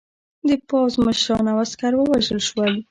د پوځ مشران او عسکر ووژل شول.